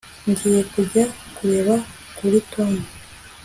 Ngiye kujya kureba kuri Tom